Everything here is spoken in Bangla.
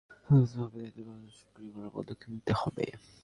আইন প্রয়োগকারী কর্তৃপক্ষকে যথাযথভাবে দায়িত্ব পালনে সক্রিয় করার পদক্ষেপ নিতে হবে।